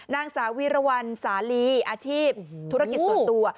นางสาวีรวรรณสาลีอาชีพธุรกิจส่วนตัว